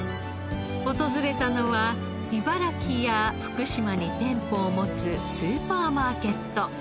訪れたのは茨城や福島に店舗を持つスーパーマーケット。